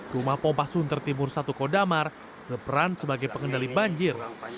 rumah pompa sunter timur satu kodamar berperan sebagai pengendali banjir